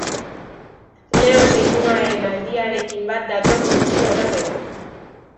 Leo zeinuaren aldiarekin bat dator gutxi gorabehera.